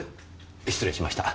失礼しました。